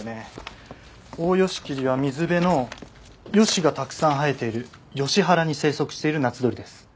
オオヨシキリは水辺のヨシがたくさん生えているヨシ原に生息している夏鳥です。